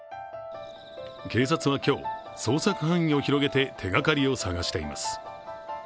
警察は今日、捜索範囲を広げて手がかりを捜しています。